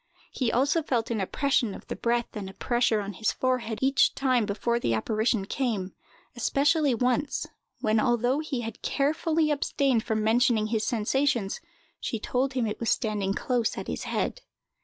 He also felt an oppression of the breath and a pressure on his forehead each time before the apparition came, especially once, when, although he had carefully abstained from mentioning his sensations, she told him it was standing close at his head.